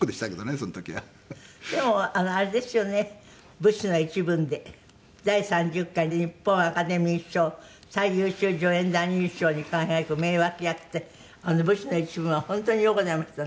『武士の一分』で第３０回日本アカデミー賞最優秀助演男優賞に輝く名脇役で『武士の一分』は本当にようございましたね。